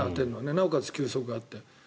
なおかつ球速があって。